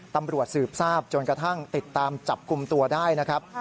ตำรวจสืบทราบจนกระทั่งติดตามจับกลุ่มตัวได้นะครับ